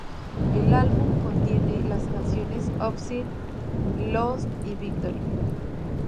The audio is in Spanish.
El álbum contiene las canciones "Obsessed", "Lost" y "Victory".